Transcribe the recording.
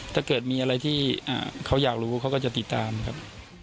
ถ้าเกิดมีอะไรที่เขาอยากรู้เขาก็จะติดตามครับ